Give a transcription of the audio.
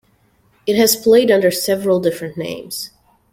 It has played under several different names.